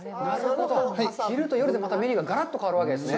昼と夜で、またメニューががらっと変わるわけですね。